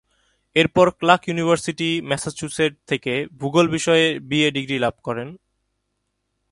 এরপর Clark University, Massachusetts থেকে ভূগোল বিষয়ে বিএ ডিগ্রি লাভ করেন।